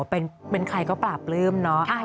เป็นใครก็ปราบปลื้มเนาะ